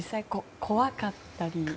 怖かったり？